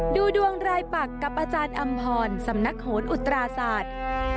ดูดวงรายปักกับอาจารย์อำพรสำนักโหนอุตราศาสตร์